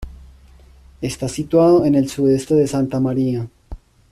Está situado en el sudeste de Santa Maria.